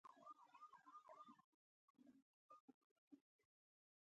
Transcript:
د پرمختللي هیواد لپاره ښه اقتصاد لازم دی